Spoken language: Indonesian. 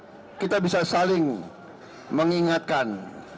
kalau hubungannya baik kita bisa saling mengingatkan